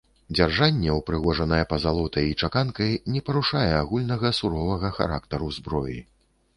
Дзяржанне, упрыгожанае пазалотай і чаканкай, не парушае агульнага суровага характару зброі.